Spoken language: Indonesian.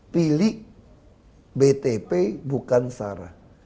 pilih btp bukan sarah